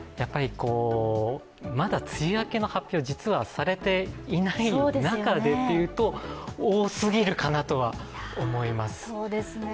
まだ梅雨明けの発表、実はされていない中でというと、多過ぎるかなとは思います。